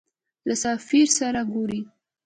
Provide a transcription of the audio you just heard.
له سفیر سره ګورې.